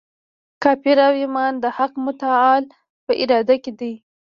کفر او ایمان د حق متعال په اراده کي دی.